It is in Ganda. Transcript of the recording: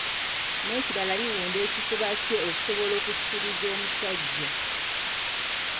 N'ekirala liwunda ekifuba kye okusobola okusikiriza omusajja.